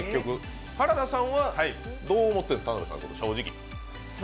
原田さんは、どう思ってるんですか正直。